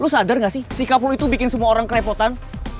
lo sadar gak sih sikap lo itu bikin semua orang kerepotan